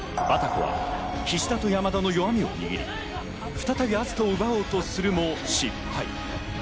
バタコは菱田と山田の弱みを握り、再び篤斗を奪おうとするも失敗。